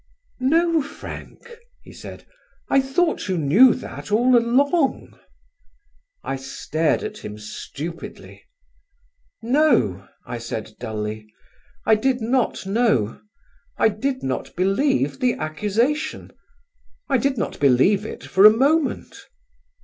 "No, Frank," he said, "I thought you knew that all along." I stared at him stupidly. "No," I said dully, "I did not know. I did not believe the accusation. I did not believe it for a moment."